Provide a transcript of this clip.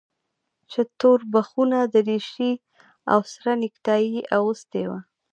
چې توربخونه دريشي او سره نيكټايي يې اغوستې وه.